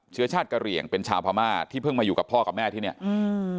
เชื้อชาติกระเหลี่ยงเป็นชาวพม่าที่เพิ่งมาอยู่กับพ่อกับแม่ที่เนี้ยอืม